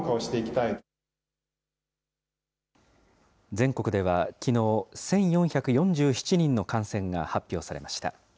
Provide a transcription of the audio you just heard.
全国ではきのう、１４４７人の感染が発表されました。